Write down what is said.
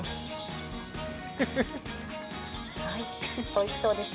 おいしいそうです。